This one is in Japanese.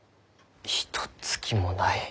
ひとつきもない。